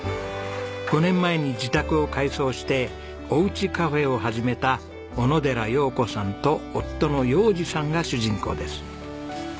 ５年前に自宅を改装しておうちカフェを始めた小野寺洋子さんと夫の洋治さんが主人公です。